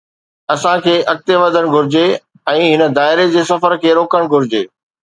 اسان کي اڳتي وڌڻ گهرجي ۽ هن دائري جي سفر کي روڪڻ گهرجي.